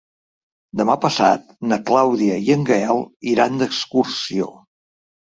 Demà passat na Clàudia i en Gaël iran d'excursió.